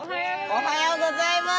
おはようございます。